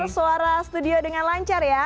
suara studio dengan lancar ya